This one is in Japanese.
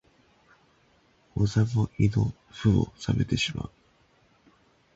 お座も胃の腑も冷めてしまう